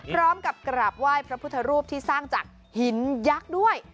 พร้อมกับกราบไหว้พระพุทธรูปที่สร้างจากหินยักษ์ด้วย